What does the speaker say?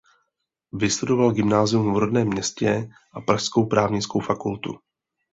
Vystudoval gymnázium v rodném městě a pražskou právnickou fakultu.